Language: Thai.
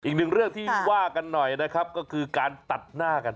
อีกหนึ่งเรื่องที่ว่ากันหน่อยนะครับก็คือการตัดหน้ากัน